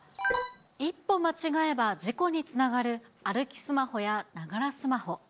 一歩間違えば事故につながる、歩きスマホやながらスマホ。